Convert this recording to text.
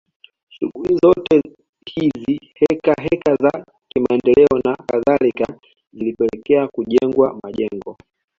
Shughuli zote hizi heka heka za kimaendeleo na kadhalika zilipelekea kujengwa majengo